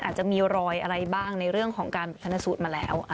อาจจะมีรอยอะไรบ้างในเรื่องของการชนสูตรมาแล้ว